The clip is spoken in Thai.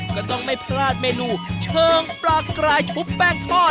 ก็ต้องไม่พลาดเมนูเชิงปลากรายชุบแป้งทอด